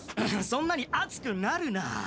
そんなに熱くなるな！